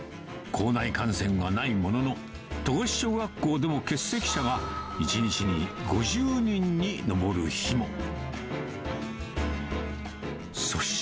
校内感染はないものの、戸越小学校でも欠席者が、１日に５０人に上る日も。